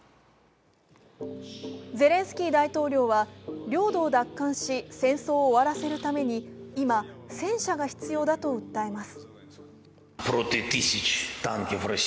ゼレンスキー大統領は、領土を奪還し、戦争を終わらせるために今、戦車が必要だと訴えます。